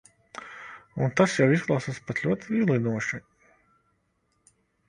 Un tas jau izklausās pat ļoti vilinoši.